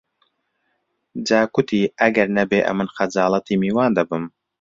جا کوتی: ئەگەر نەبێ ئەمن خەجاڵەتی میوان دەبم